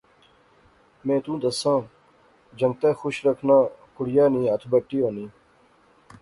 میں تو دساں جنگتے خوش رکھنا کڑیا نی ہتھ بتی ہونی